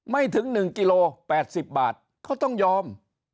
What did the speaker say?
ไม่ถึงหนึ่งกิโลแปดสิบบาทเขาต้องยอม